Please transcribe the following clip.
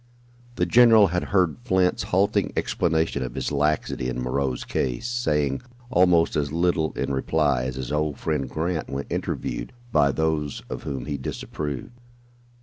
The general had heard Flint's halting explanation of his laxity in Moreau's case, saying almost as little in reply as his old friend Grant when "interviewed" by those of whom he disapproved.